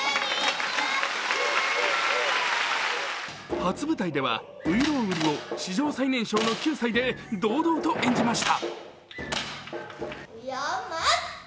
初舞台では「外郎売」を史上最年少の９歳で堂々と演じました。